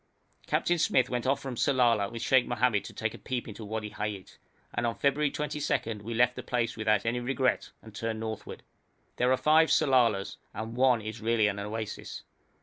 Captain Smyth went off from Sellala with Sheikh Mohamed to take a peep into Wadi Hayèt, and on February 22 we left the place without any regret and turned northward. There are five Sellalas, and one is really an oasis.